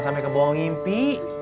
sampai kebohongin pi